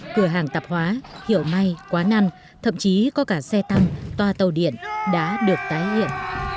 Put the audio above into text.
cửa hàng tạp hóa hiệu may quán ăn thậm chí có cả xe tăng toa tàu điện đã được tái hiện